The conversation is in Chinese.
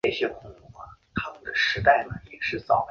刘銮雄证实吕丽君怀孕。